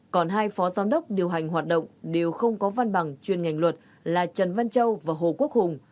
còn hai phó giám đốc điều hành hoạt động đều không có văn bằng chuyên ngành luật là trần văn châu và hồ quốc hùng